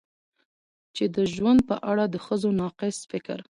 چې د ژوند په اړه د ښځو ناقص فکر